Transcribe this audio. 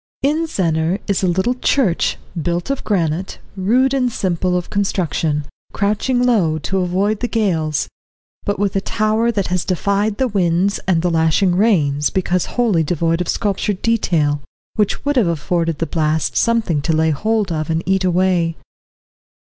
In Zennor is a little church, built of granite, rude and simple of construction, crouching low, to avoid the gales, but with a tower that has defied the winds and the lashing rains, because wholly devoid of sculptured detail, which would have afforded the blasts something to lay hold of and eat away.